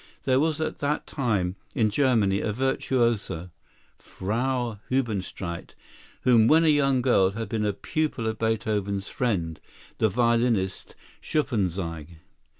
There was at that time in Germany a virtuosa, Frau Hebenstreit, who when a young girl had been a pupil of Beethoven's friend, the violinist Schuppanzigh.